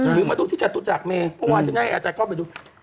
หรือมาตรงที่จัดตุจักรเมฆเมื่อวานจะได้อาจารย์ก็ไปดู